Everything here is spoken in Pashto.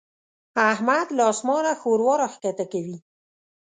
احمد له اسمانه ښوروا راکښته کوي.